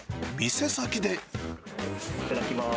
いただきます。